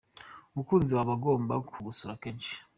Umukunzi wawe aba agomba kugusura kenshi.